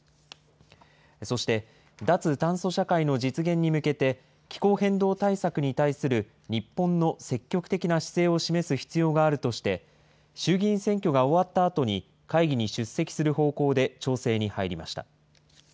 そして、脱炭素社会の実現に向けて、気候変動対策に対する日本の積極的な姿勢を示す必要があるとして、衆議院選挙が終わったあとに会議に出席する方向で調整に入りました。